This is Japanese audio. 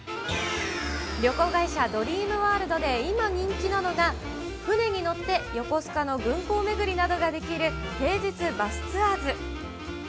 旅行会社、ドリームワールドで今人気なのが、船に乗って横須賀の軍港巡りなどができる、平日バスツアーズ。